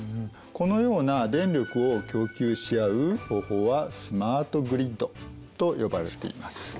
このような電力を供給し合う方法はスマートグリッドと呼ばれています。